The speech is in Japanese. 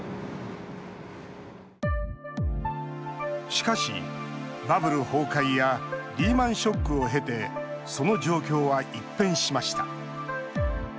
しかし、バブル崩壊やリーマンショックを経てその状況は一変しました。